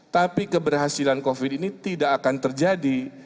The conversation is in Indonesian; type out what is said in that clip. tapi keberhasilan covid ini tidak akan terjadi